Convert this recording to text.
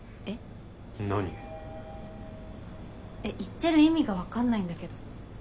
えっ言ってる意味が分かんないんだけど。